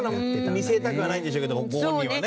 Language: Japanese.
見せたくはないんでしょうけどもご本人はね。